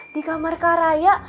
di kamar kak raya